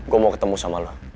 gua mau ketemu sama lu